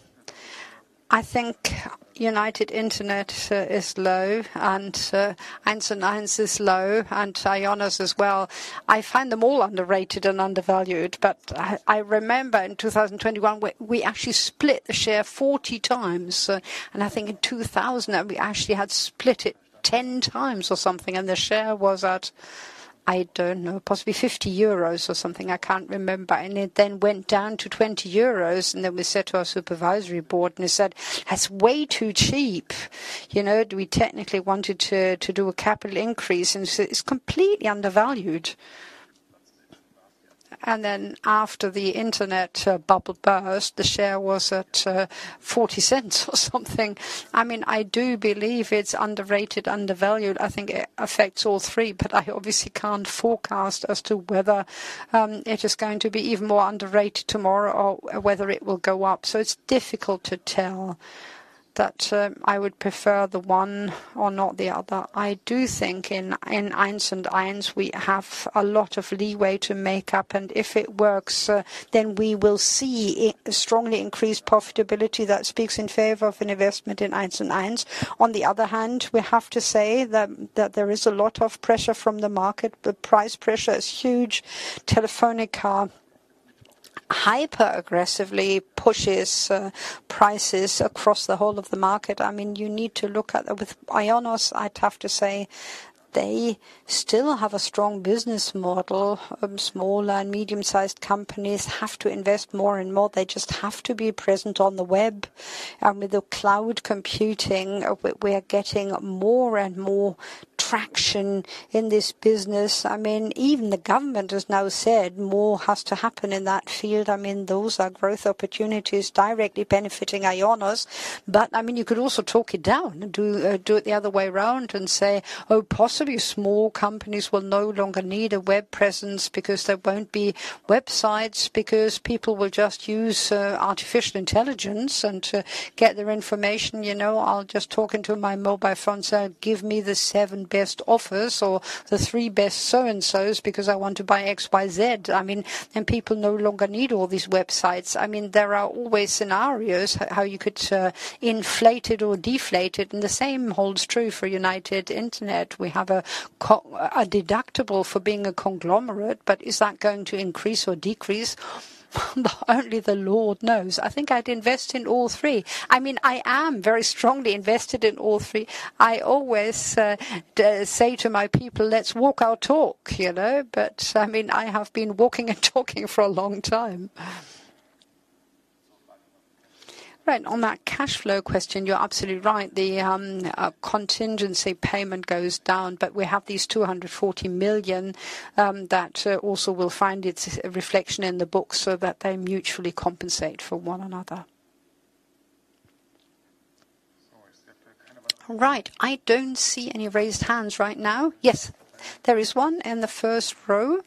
I think United Internet is low, and 1&1 is low, and IONOS as well. I find them all underrated and undervalued, but I remember in 2021, we actually split the share 40 times. I think in 2000, we actually had split it 10 times or something, and the share was at, I don't know, possibly 50 euros or something. I can't remember. It then went down to 20 euros, and we said to our supervisory board, and they said, "That's way too cheap." We technically wanted to do a capital increase, and it's completely undervalued. After the internet bubble burst, the share was at 0.40 or something. I mean, I do believe it's underrated, undervalued. I think it affects all three, but I obviously can't forecast as to whether it is going to be even more underrated tomorrow or whether it will go up. It is difficult to tell that I would prefer the one or not the other. I do think in 1&1 we have a lot of leeway to make up, and if it works, then we will see strongly increased profitability that speaks in favor of an investment in 1&1. On the other hand, we have to say that there is a lot of pressure from the market. The price pressure is huge. Telefónica hyper-aggressively pushes prices across the whole of the market. I mean, you need to look at with IONOS, I'd have to say they still have a strong business model. Small and medium-sized companies have to invest more and more. They just have to be present on the web. And with the cloud computing, we are getting more and more traction in this business. I mean, even the government has now said more has to happen in that field. I mean, those are growth opportunities directly benefiting IONOS. I mean, you could also talk it down and do it the other way around and say, "Oh, possibly small companies will no longer need a web presence because there won't be websites because people will just use artificial intelligence and get their information. I'll just talk into my mobile phone, so give me the seven best offers or the three best so-and-so's because I want to buy XYZ." I mean, then people no longer need all these websites. I mean, there are always scenarios how you could inflate it or deflate it. The same holds true for United Internet. We have a deductible for being a conglomerate, but is that going to increase or decrease? Only the Lord knows. I think I'd invest in all three. I mean, I am very strongly invested in all three. I always say to my people, "Let's walk our talk." I mean, I have been walking and talking for a long time. Right. On that cash flow question, you're absolutely right. The contingency payment goes down, but we have these 240 million that also will find its reflection in the books so that they mutually compensate for one another. Right. I don't see any raised hands right now. Yes, there is one in the first row.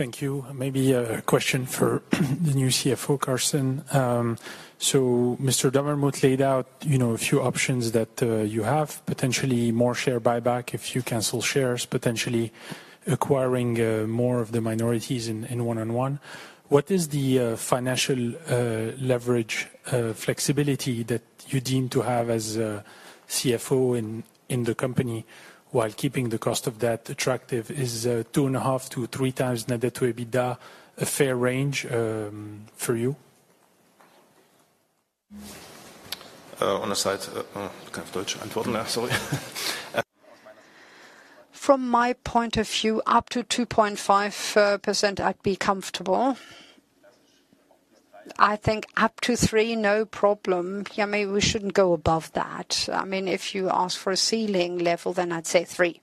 Thank you. Maybe a question for the new CFO, Carsten. Mr. Dommermuth laid out a few options that you have, potentially more share buyback if you cancel shares, potentially acquiring more of the minorities in 1&1. What is the financial leverage flexibility that you deem to have as CFO in the company while keeping the cost of that attractive? Is two and a half to three times net equity a fair range for you? From my point of view, up to 2.5% I'd be comfortable. I think up to three, no problem. Yeah, maybe we shouldn't go above that. I mean, if you ask for a ceiling level, then I'd say three.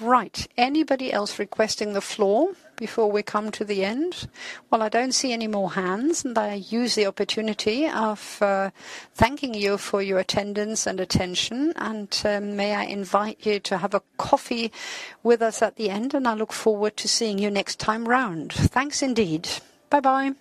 Right. Anybody else requesting the floor before we come to the end? I don't see any more hands, and I use the opportunity of thanking you for your attendance and attention. May I invite you to have a coffee with us at the end, and I look forward to seeing you next time round. Thanks indeed. Bye-bye.